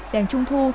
đèn trung thu